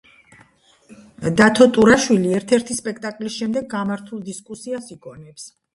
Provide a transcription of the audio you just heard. დათო ტურაშვილი ერთ-ერთი სპექტაკლის შემდეგ გამართულ დისკუსიას იგონებს.